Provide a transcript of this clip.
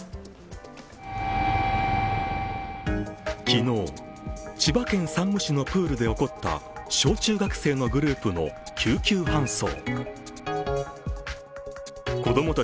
昨日、千葉県山武市のプールで起こった小中学生のグループの救急搬送。